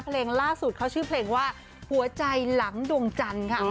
เพลงล่าสุดเขาชื่อเพลงว่าหัวใจหลังดวงจันทร์ค่ะ